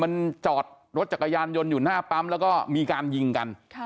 มันจอดรถจักรยานยนต์อยู่หน้าปั๊มแล้วก็มีการยิงกัน